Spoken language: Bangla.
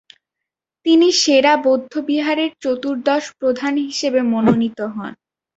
তিনি সেরা বৌদ্ধবিহারের চতুর্দশ প্রধান হিসেবে মনোনীত হন।